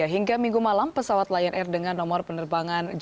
hingga minggu malam pesawat lion air dengan nomor penerbangan